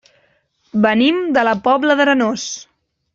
Venim de la Pobla d'Arenós.